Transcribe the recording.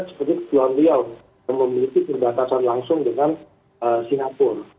seperti florentino yang memiliki perbatasan langsung dengan sinapur